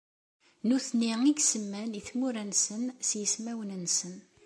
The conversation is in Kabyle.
Nutni i isemman i tmura-nsen s yismawen-nsen!